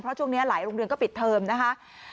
เพราะช่วงนี้หลายโรงเรียนก็ปิดเทอมนะคะ